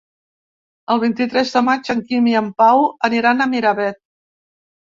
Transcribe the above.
El vint-i-tres de maig en Quim i en Pau aniran a Miravet.